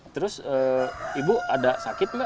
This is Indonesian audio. terus ibu ada sakit nggak